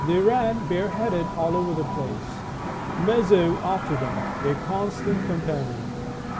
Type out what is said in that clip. They ran bareheaded all over the place, Mazo after them, their constant com panion.